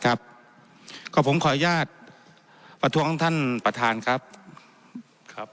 ครับก็ผมขออนุญาตประท้วงท่านประธานครับครับ